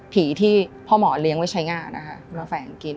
ที่พ่อหมอเลี้ยงไว้ใช้ง่านะคะมาแฝงกิน